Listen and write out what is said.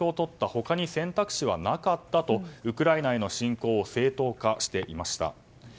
他に選択肢はなかったとウクライナへの侵攻を正当化していました。